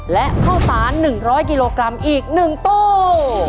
และข้าวสาร๑๐๐กิโลกรัมอีก๑ตู้